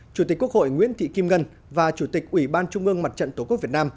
chủ tịch quốc hội nguyễn thị kim ngân và chủ tịch ủy ban trung ương mặt trận tổ quốc việt nam